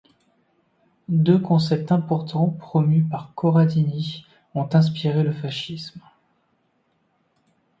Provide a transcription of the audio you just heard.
Deux concepts importants promus par Corradini ont inspiré le fascisme.